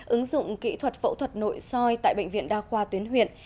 ứng dụng kỹ thuật phẫu thuật nội soi tại bệnh viện đa khoa tuyến huyện